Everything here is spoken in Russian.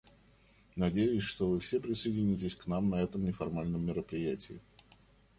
Надеюсь, что вы все присоединитесь к нам на этом неформальном мероприятии.